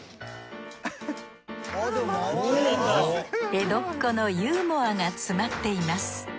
江戸っ子のユーモアが詰まっています